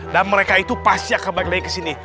dan mereka itu pasti akan kembali lagi kesini